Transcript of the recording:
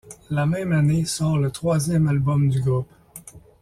La même année sort le troisième album du groupe.